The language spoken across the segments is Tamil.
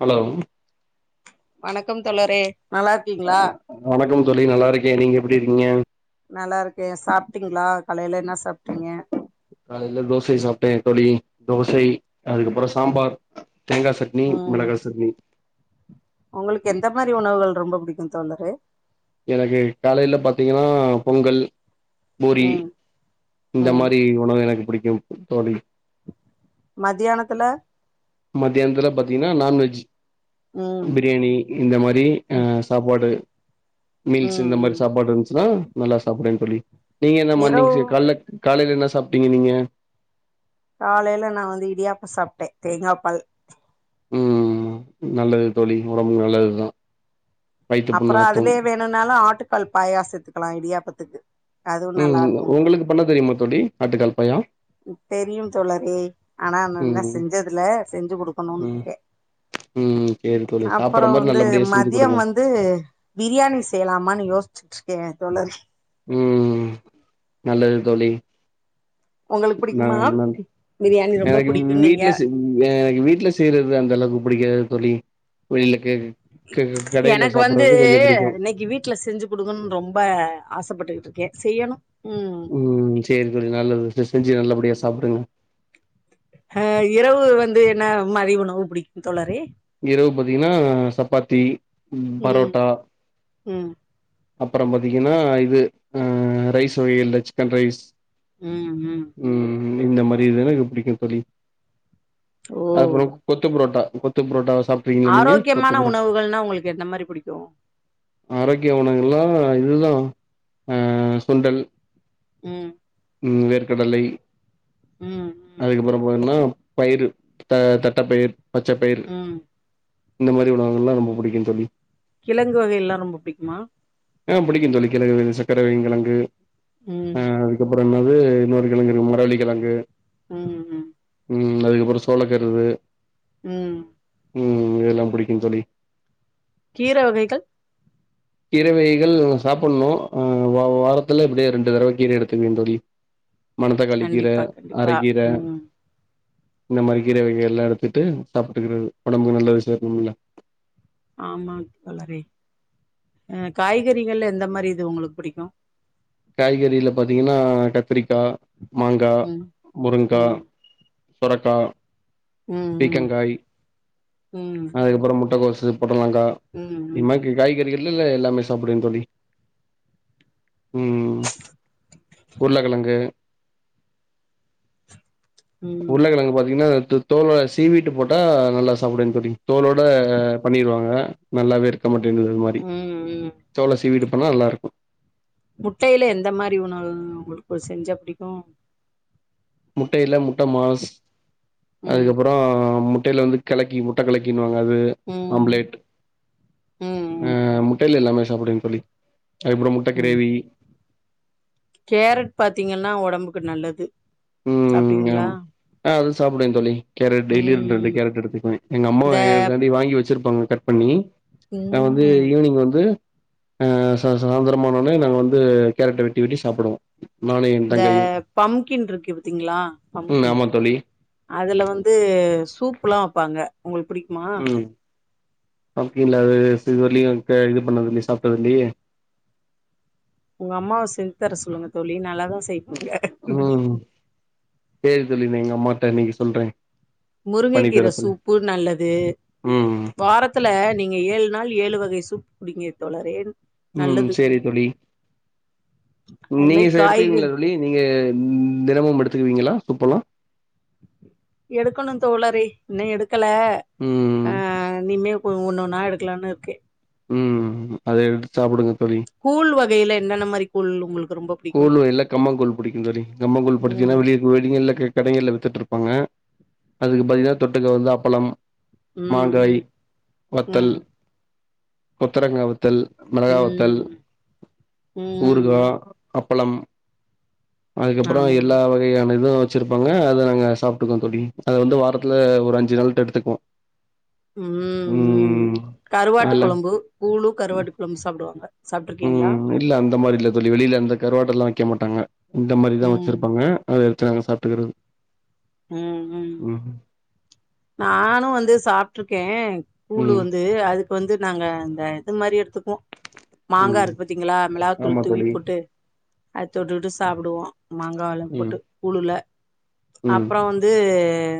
ஹலோ. வணக்கம் தோழரே. நல்லா இருக்கீங்களா. வணக்கம் தோழி நல்லா இருக்கேன் நீங்க எப்படி இருக்கீங்க. நல்லா இருக்கேன் சாப்பிட்டீங்களா காலையில என்ன சாப்பிட்டீங்க. காலையில தோசை சாப்ட்டே தோழி தோசை. அதுக்கப்புறம் சாம்பார் தேங்காய் சட்னி ம் மிளகாய் சட்னி உங்களுக்கு எந்த மாரி உணவுகள் ரொம்ப பிடிக்கும் தோழரே எனக்கு காலையில பாத்தீங்கன்னா பொங்கல் பூரி ம் இந்த மாதிரி உணவு எனக்கு புடிக்கும் [unintelligible] தோலி மதியானத்தில மதியானத்துல பாத்தீங்கன்னா நான் வெஜ் ம் பிரியாணி இந்த மாரி ஹா ம் சாப்பாடு மீல்ஸ் ம் இந்த மாரி ம் சாப்பாடு இருந்துச்சுன்னா நல்லா சாப்பிடுவே தோலி நீங்க என்ன மார்னிங் இரவு காலக் காலையில என்ன சாப்ட்டீங்க நீங்க காலயில நா வந்து இடியாப்ப சாப்ட்டேன் தேங்காய்ப்பால் உம் நல்லது தோழி உடம்பு நல்லதுதான் அப்பறம் அதுலயே வேணுனாலும் ஆட்டு பால் பாயாசத்துக்கு எல்லா இடியாபத்துக்கு உம் உங்களுக்கு பண்ண தெரியுமா தோழி ஆட்டுக்கால் பாயா தெரியும் தோழரே ஆனா நா ம் செஞ்சதுல்ல செஞ்சு குடுக்கணும்னு ம் இருக்கேன் ம் சேரி தோழி சாப்புட்ற அப்றோ மாரி வந்து நல்லபடியா செஞ்சு மதியம் குடுங்க வந்து பிரியாணி செய்யலாமான்னு யோசிச்சுட்டு இருக் கேன் தோழரே உம் நல்லது தோலி உங்களுக்கு புடிக்குமா நான் நன்றி பிரியாணி ரொம்ப எனக்கு புடிக்குன்னீங்க வீட்டுல செஞ்ச எனக்கு வீட்டுல செய்றது அந்த அளவுக்கு புடிக்காது தோலி வெளில கே க கடைல எனக்கு வந்து சாப்புட்றது கொஞ்சோ புடிக்கு இன்னைக்கு வீட்ல செஞ்சு கொடுங்கனு ரொம்ப ஆசைப்பட்டு இருகேன் செய்யணும் உம் சேரி தோழி நல்லது செஞ்சு நல்லபடியா சாப்டுங்க ஹா இரவு வந்து என்ன மதிய உணவு பிடிக்கும் தோழரே இரவு பாத்தீங்கன்னா சப்பாத்தி ம் பரோட்டா ம் அப்பறம் பாத்தீங்கன்னா இது ஹா ரைஸ் வகைல சிக்கன் ரைஸ் உம்-உம் இது எனக்கு பிடிக்கும் தோழி ஓ அப்றோம் கொத்து புரோட்டா கொத்து புரோட்டா சாப்ட்றீங்களா நீங்க கொத்து ஆரோக்கியமான புரோட் உணவுகள்னா உங்களுக்கு எந்த மாரி புடிக்கு ஆரோக்கிய உணவெல்லாம் ஆஹ் இதுதான் ஆஹ் சுண்டல் உம் வேர்கடலை ம் ம் அதுக்கப்புறம் போன்னா பயிர் த தட்ட பயிர் பச்ச பயிர் ம் இந்த மாரி உணவுகங்கல்லாம் ரொம்ப பிடிக்கும்ன்ன தோழி கிழங்கு வகை எல்லாம் ரொம்ப புடிக்குமா ஆஹ் புடிக்கும் தொலி கிழகு சக்கர வள்ளி கெழங்கு உம் என்னாது இன்னொரு கிழங்கு இருக்கும் மர வள்ளி கிழங்கு உம் உம் உம் அதுக்கப்புற சோளக்கருது உம் உம் இதெல்லாம் புடிக்கும்ன்னு தோழி கீர வகைகள் கீரை வகைகள் சாப்பணும் ஆஹ் வாரத்துல எப்படியும் ரெண்டு தடவை கீர எடுத்துகுவேன் தோழி மணதக்காளி கீர கண்டிப்பா கண்டிப்பா அரக்கீர ம் இந்த மாரி கீரை வகை எல்லாம் எடுத்துட்டு சாப்ட்டுக்கிறது ஒடம்புக்கு நல்லது சேக்கணும்ல்ல ஆமா வளரை அஹ் காய்கறிகள்ல எந்த மாரி இது உங்களுக்கு புடிக்கும் காய்கறில பாத்தீங்கன்னா கத்திரிக்கா மாங்கா ம் முருங்கா ம் சொரக்கா ம் ம் பீக்கங்காய் ம் அதுக்கப்றம் முட்டகோசு பொடலாங்கா இது ம் ம் மாரி காய்கறிகள் இல்லல்ல எல்லாமே சாப்டுவேன் தோழி உம் உருளகெழங்கு ம் உருளக்கெழங்கு பாத்தீங்கன்னா தோலோட சீவிட்டு போட்டா நல்லா சாப்பிடவேன்னு தோழி தோலோட பண்ணிருவாங்க நல்லாவே இரு மாட்டேங்து இது மாரி ம் ம் தோல சீவிட்டு அனா நல்லா இருக்கும் முட்டையில எந்த மாறி உணவு உங்களுக்கு செஞ்சா புடிக்கும் முட்ட இல்ல முட் மாஸ் ம் அதுக்கப்புரோ முட்ட ட்ட வ கலக்கி முட்ட கலக்கினுவாங்க அது ம் ம் ம் ஆம்லேட்ஆஹ் முட்டையில எல்லாமே சாப்பிடுங் தோழி அதுப்புறம் முட்டை ம் கிரேவி கேரட் பாத்தீங்கன்னா உடம்புக்கு நல்லது ம் சாப்டீங்களா ஆமா ஆ அது சாப்பிடுவேன் தோழி கேரட் டெய்லி இருண்டு இருண்டு ம் கேரட் எடுத்து எங்க அம்மா இந்த எக்காண்டி வாங்கி வச்சிருப்பாங்க கட் பண்ணி நான் வந்து ம் ஈவினிங் வந்து ஆஹ் சாயந்திரமானோடனே நாங்க வந்து கேரட்ட வெட்டி வெட்டி சாப்பிடுவோம் இந்த பம்கின் இருக்கு பாத்தீங்களா ம் பம்கின் ஆமா தோழி அதுல வந்து சூப் எல்லாம் வைப்பாங்க உங்களுக்கு புடிக்குமா அப்டிங்களா அது இது வரயும் இது பண்ணது இல்லையே சாப்பிட்டது இல்லையே உங்க அம்மாவ சென் தர சொல்லுங்க தோழி நல்லாதான் செய்வாங்க ம் சேரி தோழி எங்க அம்மாட்ட இன்னைக்கு சொல்றேன் பண்ணி தர முருங்கைக்கீரை சொல்லி சூப்பு நல்லது ம் வாரத்துல நீங்க ஏழு நாள் ஏழு வகை சூப் குடிங்க தோழரே உம் நல்லது சரி தோழி அது நீங் மாரி சை எடுத்தீங்களா காய்கறி தோழி நீங்க உம் தினமும் எடுத்துக்குவீங்களா சுப்பல்லாம் எடுக்கணும் தோழரே இன்னும் எடுக் இருக்கல ம் ஆஹ் நீமே ஒன்னு ஒண்ணுன்னா எடுக்கலாம்னு இருக்க உம் அது எடுத்து சாப்பிடுங்க கூழ் வகையில என்னன்னமா இரு கொல்லு உங்களு கூழ்ல கம்பங் கூழ் படிக்கும் தோழி கம்பங் கூழ் பாத்தின்னா ம் வெளி வெளியல கடைகள வித்துட்டு இரு ப்பாங்க அதுக்கு பாத்தீங்கன்னா தொட்டுக்க வந்து அப்பளம் ம் மாங்காய் ம் வத்தல் ம் கொத்தரங்காவத்தல் மிளகாவத்தல் ம் ம் ஊர்கா அப்பளம் அதுக்கப்பறம் ஆமா எல்லா வகையானதும் வச்சிருப்பாங்க அத நாங்க சாப்பிட்டுக்கோம் தோழி அத வந்து வாரத்துல ஒரு அஞ்சு நாள் எடுத்துக்குவோம் உம் உம் கருவாட்டு அல்ல குழம்பு கூழு கருவாட்டு குழம்பு சாப்பிடுவாங்க உம் இல்ல அந்த மாரி இல்ல தோழி வெளியில அந்த கருவாடு எல்லாம் வக்க மாட்டாங்க இந்த மாரிதான் ம் வச்சிருப்பாங்க அ நாங்க சாப்பிட்டுக்கிறது உஹம் உம் நானும் வந்து சாப்பட்டுருக்கேன் கூழு ம் வந்து அதுக்கு வந்து நாங்க இந்த இது மாதிரி எடுத்து ம் மாங்காய் இருக்கு பாத்தீங்களா ஆமா மிளாத்தூள் தூவி தோழி போட்டு அத தொட்டுகிட்டு சாப்பிடுவோம் மாங்காய் எல்லாம் ம் போட்டு கூழுல ம் அப்பறம் வந்து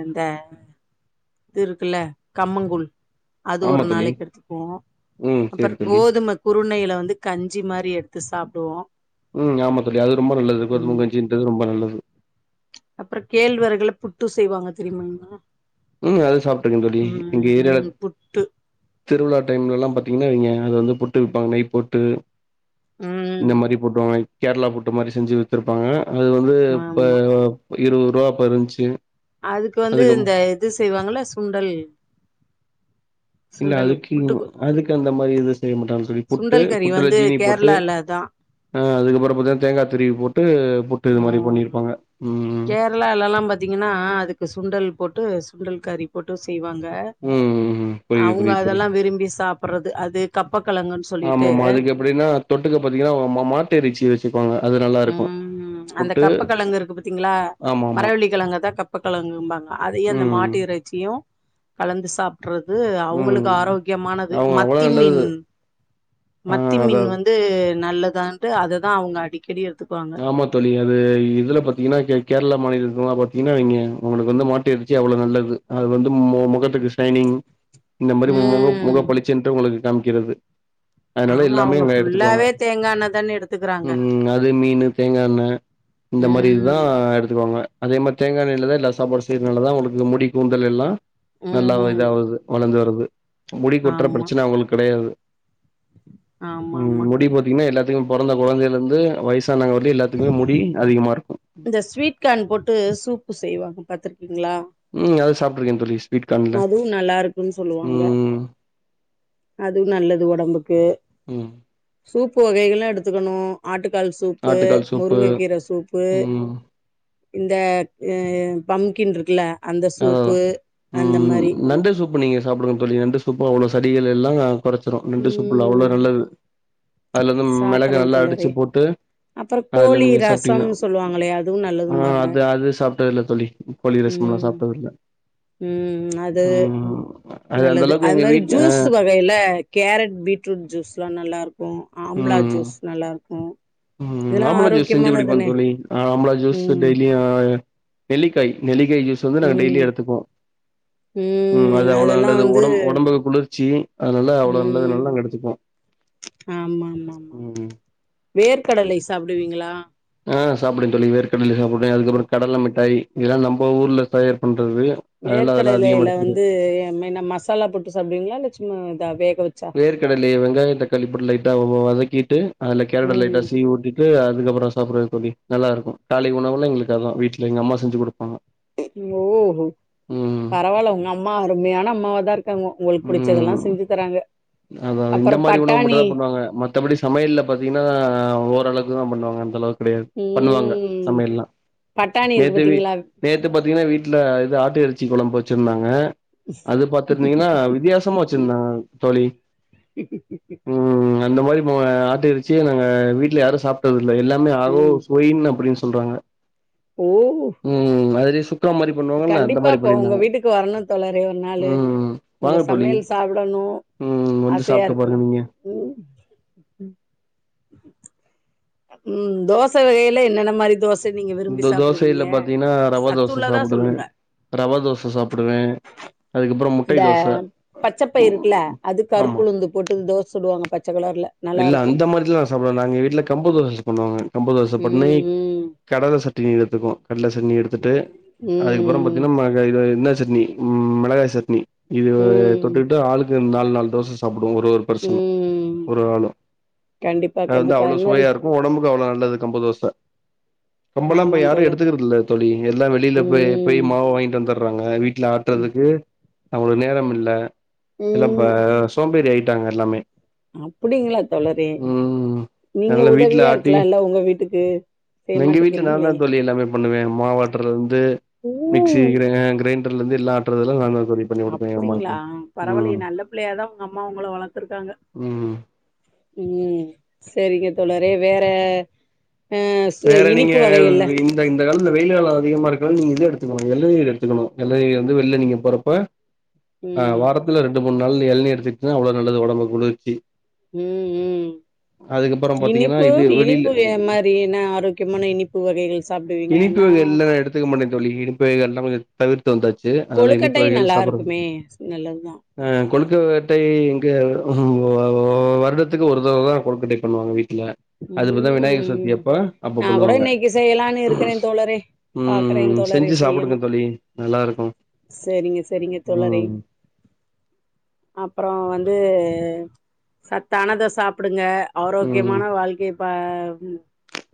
இந்த இது இருக்குல்ல கம்மங்குழ் அது ஆமா ஒரு தோழி நாளைக்கு எடுத்துக்குவோம் ம் சேரி அப்புறம் தோழி கோதுமை குருணையில வந்து வந்து கஞ்சி மாரி எடுத்து சாப்பிடுவோம் உஹம் ஆமா தோழி அது ரொம்ப நல்லது கோதுமங்கஞ்சன்றது ரொம்ப நல்லது அப்பறம் கேழ்விறகுல புட்டு செய்வாங்க தெரியுமாமா உம் அது சாப்பிட்டு இருக்கேன் தோழி எங்க ஏரியல ம் புட்டு திருவிழா டைம்ல எல்லாம் பாத்தீங்கன்னா இங்க அது வந்து புட்டு விப்பாங்க நெய் போட்டு ம் இந்த மாரி போட்டுவாங்க கேரளா புட்டு மாரி செஞ்சு வித்து ருப்பாங்க அது வந்து இப்ப ஆமா இருபது ரூபா அப்ப இருந்துச்சு அதுக்கு வந்து அதுக்கப் இந்த இது செய்வாங்கள சுண்டல் இல்ல சுண்டல் அதுக்கு புட்டுக்கு அதுக்கு அந்த மாரி இது செய்ய மாட்டாங்கு தோழி புட்டு சுண்டல் கறி புட்டுல வந்து ஜீனி போட்டு கேரளால தா அஹ் அதுக்கப்பறம் பத்தீன்னா தேங்காய் திருவி போட்டு புட்டு இத மாரி பண்ணிருப்பாங்க ம் கேரளா எல்லாம் பாத்தீங்கன்னா அதுக்கு சுண்டல் போட்டு சுண்டல கரி போட்டு செய்வாங்க உஹம் உம்ம் புரியுது அவுங்க புரியுது புரிய அதெல்லா விரும்பி சாப்பறது அது கப்பக்கெழங்குன்னு சொல்லிட்டு ஆமாமா அதுக்கு எப்படின்னா தொட்டுக்க பாத்தீங்கன்னா மாட்டு இறைச்சி வச்சுக்குவாங்க அது நல்லா இருக்கு உம் அந்த புட்டு கப்பக்கிழங்கு இருக்கு பார்த்தீங்களா ஆமாமா மரவள்ளி கிழங்க தான் கப்பக்கிழங்குபாங்க அதையும் அந்த ம் மாட்டு இறைச்சியும் கலந்து சாப் றது அவுங்களுக்கு ம் ஆரோக்கியமானது அவங்க அவ்ளோ மத்தி நல்லது மீன் ஆ மத்தி அதா மீன் வந்து நல்லதான்ட்டு அதுதா அவுங்க அடிக் கேடிஅப் ஆமா தொழி அது இதுல பாத்தீங்கனா கேரள மாநில பாத்தீங்கனா நீங்க உங்களுக்கு வந்து மாட்டு அடுச்சா அவ்ளவு நல்லது அது வந்து முகத்துக்கு சைனிங் இந்த மாரி உங்க முக முக ம் பளிச்சின்டு உங்களுக் காம்க்கிறது ஆமா அவுங்க புல்லாவே தேங்கான தானே எடுத்துக்குறாங்க தேங்காய எண்ண இந்த மாரி இதுதா ம் எடுத்துக்குவாங்க அதே மாரி தே தேங்கானயிலத இல்ல சாப்பாடு செயிரதுதா உங்களுக்கு முடி கூந்தல் எல்லாம் நல்லா ம் இதாவது வளர்ந்து வருது முடி கொற்ற ஆமா பிரச்சன அவுங்களுக்கு கெடையாது ஆமா ம் ஆமா முடி பாத்தீங்கனா எல்லாத்துக்கு பிறந்த கொழந்தயில இருந்து வயசு தா நாங்க ஒர் இந்த ஸ்வீட் கேன் போட்டு சூப்பு செய்வாங்க பாத்திர ங்களா சாப்றேகே தோழி ஸ்வீட் கான்ல அதுவும் நல்லா இருக்குனு சொல்லுவாங்க ம் அதுவு நல்லது உடம்புக்கு ம் சுப் உப்புவகைகளா எடுத்துக்கணு ஆட்டு தக்காளி சூப்பு ஆட்டுக்கால் சூப்பு முருங்கக்கீர சூப்பு ம் இந்த பம்கின் இருக்குல அந்த அதா அதா சூப்பு அந்த ம் மாரி நண்ட சூப்பு நீங்க சாப்புடுங்க தொலி நண்டு சூப்பு அவ்ளோ சடிகள் எல்லாம் குறச்சிரும் நண்டு சூப்புலாம் அவ்ளோ ம் நல்லது அதுல வந்து மிளகு சாப்பறே நல்லா தோழரே அடிச்சு போட்டு அப்பறோ அதுல கோழி நீங்க ரசம் சாப்ட்டீங்கனா சொல்லுவாங்களே அதுவு ஆ நல்லதும்பாங்க அது அது சாப்பிட்டது இல்ல தொளி கோழி ரசம் எல்லாம் சாப்ப [unintelligible] உம் அது ம் அது அந்த நல்லது அளவுக்கு அது எங்க மாரி வீட்ல ஜூஸ் வகையில கேரட் பீட்ரூட் ஜூஸ்லா நல்லா இருக் இப்போ ஆம்லா ஜூஸ் நல்லா இருக்கும் உம் ஆம்பள ஜூஸ் செஞ்சு குடிப்போ தோழி ஆம்பள ஜூஸ் ம் டெய்லியு ஆ நெல்லிக்காய் நெலிக் நெல்லிகா ஜுஸ் வந்து நா டெய்லி ம் எடுத்துப்போ உம் அது ம் அவ்ள அதெல்லா நல்லது வந்து உடம் உடம்புக்கு குளிர்ச்சி அதனால அவ்ளவு நல்லது ம் அதனால நாங்க எடுத்துப்போ ஆமா ஆமா ஆமா உம் உம் வேர்க்கடலை சாப்புடுவீங்களா ஆஹ் சாப்புடுவேன் தோழி வேர்கடல சாப்புடுவேன் அதுக்கப்பற கடலமிட்டாய் இதலா நம்ப ஊர்ல தயார் பண் வேர்க்கடையில ல வந்து மே ன்ன மசாலா போட்டு சாப்டுவிங்களா இல்ல ம் தாவேக் வேர்கடைலே வெங்காயதக்காளி போட் லை வதக்கிட்டு அதுல கேரட்ட லைட்டா ம் சீவுட்டுட்டு அதுக்கப்பறம் சாப்படறது தோழி நல்ல இருக்கும் காலை உணவுளா எங்களுக்கு அததுான் வீட்டுல எங்க அம்மா செஞ்சு கொடுப்பாங்க ஓஹோ பரவாயில்ல உங்கஅம்மா அருமையான அம்மாவாதா இருக்காங்க உங்களுக்கு புடிச்சதல்லா செஞ்சு தராங்க அத இந்த அப்பறோ மாரி உணவு மட்டு பட்டாணி தா பண்ணுவாங்க மத்தபடி சமையல் பாத்தீங்கன்னா ஓரளவுக்குதா பண்ணுவாங்க அந்தளவு கெடயது பண்ணுவாங்க ம் சமயல்லா பட்டாணி இருக்கு நேத்து வி பாத்தீங்களா நேத்து பத்திங்கன்னா வீ ட்ல இது ஆட்டு எறச்சி கொளம்பு வச்சுறுந்தாங்க அது பாத்துருந்திங்கன்னா வித்தியாசமா வச்சிருந்தாங்க தோழி [unintelligible] ம் அந்த மாரி ஆட்டுறச்சி நாங்க வீட்ல யாரு சாப்பட்ட ல எல்லாமே ஆகோ சோயின்ன அப்டின் சொல்றாங்க ஓஹோ ம் அதுலயே சுக்கா மாரி பண்ணுவாங்கல்ல அந்த கண்டிப்பா மாரி ப்ப ஒங்க பண்ணிருந்தாங்க வீட்டுக்கு வரணு தோழரே ஒரு நாளு ம் உங்க வாங்க தோழி சமயல் சாப்படணு ம் வந்து ஆசயா சாப்ட்டு இருக்கு பாருங்க நீங்க ம் உம் தோச வகையில என்னென்ன மாரி தோச நீங்க விரும்பி இந்த சாப்பிடுவீங்க தோசைல பாத்தீங்கன்னா ரவா தோச சத்துள்ளதா சாப்புடுவே சொல்லுங்க ரவா தோச சாப்புடுவே அதுக்கப்புறோ முட்டை இந்த தோச பச்சப்பயிறு இருக்குல அது ஆமா கருப்புளுந்து போட்டு தோசசுடுவாங்க ப இல்ல அந்த மாரிலா சாப்ற நாங்கவீட்ல கம்பு தோச பண்வாங்க கம்பு தோச பண்ணி ம் கடல சட்னி எத்துக்வோ கடல சன்னி எடுத்துட்டு அதுக்கப்பற ம் பாத்தீங்கன்னா இன்ன சட்னி உம் மெளகா சட்னி இதுவ ம் ம் தொட்டுக்கிட்டு ஆளுக்கு நாலு நால் தோச சாப் ஒரு ஒரு பிரசன ம் கண்டிப்பா அது வந்து கண்டிப்பா அவ்வளவு மாரி சுவையா இருக்கும் உடம்புக்கு அவ்வளவு நல்லது கம்பு தோ பச கம்பெல்லாம் இப்ப ஆமா யாரும் தோழரே எடுத்துக்கறதில்ல்ல தோழி எல்லாம் வெளியில போய் போய் ம் மாவு வாங்கிட்டு வந்தா றாங்க வீட் ல ம் ஆட்டுறதுக்கு அவ்ளோ நேரம் இல்ல எல்லாம் இப்ப ம். சோம்பேறி ட்டாங்க எல்லாமே அப்படிங்களா தோழரே உம் நீங்க நல்ல வீட்டுல உதவியா ஆட்டி இருக்கலால்ல உங்க வீட்டுக்கு செய்ய எங்க வீட்டுல நான மாட்டேக்கிறீங்களே தான் தோழி எல்லாமே பண்ணுவேன் மாவாட்டுரதுலருந்து மிக்சி ம் கி கிரைண்ட ருந்து எல்ல ஆற்றதுல நான்தான் அப்டிங்களா பரவாயிலியே நல்ல பிள்ளையாதான் உங்க அம்மா உங்களளை வளர்த்துருக்காங்க ம் உம் செரிங்க தோழரே வேற ஆஹ் சு வேற நீங்க இனிப்பு வகைல்ல இந்த இந்த காலத்தில வெயில் அதிகமா இருக்கறதால நீங்க இத எடுத்துக்கணும் வெள்ளரி எடுத்துக்கணும் வெள்ளரி வந்து வெளில நீங்க போறப்ப ஆஹ் ம் வாரத்துல ரெண்டு மூணு நாள் எலனி எடுத்துக்கட்டுன்னா அவ்வளவு நல்லது உடம்புக்கு குளிர்ச்சி உம் உம் அதுக்கப்புறம் பாத்தீங்கன்னா இனிப்பு இது இனிப்பு வெளில வே மாரினா ஆரோக் கமான இனிப்பு வகைகள் இனிப்பு சாப்டுவீங்கன்னா வகை எல்லாம் எடுத்துக்க மாட்டேன் லி இடுப்புல்லாமே தவிர்த் கொழுக்கட்டை நல்லா இருக்குமே நல்லதுதான் கொலுக்கட்டை இங்கே வருடத்துக்கு ஒரு தடவை தான் கொழுக்கட்டை பண்ணுவாங்க வீட் இல்ல அதுப்பதான் விநாயகர் சதுர்த்தி ம் அப்ப அப்ப பண்ணுவாங்க நானு இருக்கிறேன் தோழரே பாக்குறேன் ம் தோழரே செஞ்சு சாப்புடுங்க செய்யணும் தோழி நல்லா இருக்கு செரிங்க செரிங்க தோழரே ம் அப்பறம் வந்து சத்தானத சாப்பிடுங்க ம் ஆரோக்கியமான வாழ் இப்ப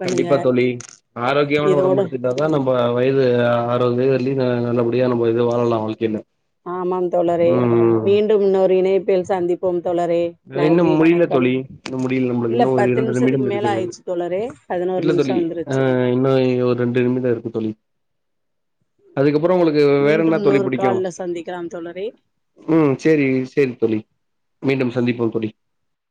கண்டிப்பா தோழி ஆரோக்கியமான இதோட உடம்படுத்திட்டாதான் நம்ப வயது அதாவது இந்த நல்லபடியா நம்ம இது வாழலா வாழ்க்கையில ஆமாம் தோழரே ம் மீண்டும் இன்னொரு இணைப் பில் சந்திப்போம் தோழரே ல்ல இன்னு நன்றி முடில வணக்கம் தோழி இன்னு முடில நம்மளுக்கு இல்ல இன்னு ஒரு பத்து இரண்டு நிமிடம் நிமிஷத்துக்கு மேல இருக்கிறது ஆயிடுச்சு தோழரே பதினோரு இல்ல நிமிஷோ தோழி ஆ வந்துருச்சு இன்னு ஒரு ரெண்டு நிமிடோ இருக்கு தோழி அதுக்கு அப்புறோ உங்களுக்கு வேற மீண்டும் என்ன தோழி இன்னொரு புடிக்கு கால்ல சந்திக்கலாம் தோழரே உம் செரி செரிங்க தோழி மீண்டும் சந்திப்போம் தோழி